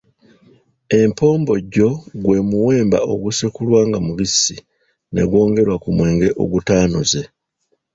Empombojjo gwe muwemba ogusekulwa nga mubisi ne gwongerwa ku mwenge ogutaanoze.